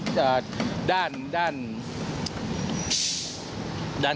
ใช่ครับ